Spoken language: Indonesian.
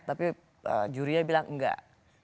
tapi juria bilang enggak